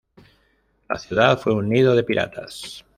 La ciudad fue un nido de piratas.